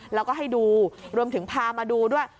แล้วก็ให้ดูรวมถึงพามาดูด้วย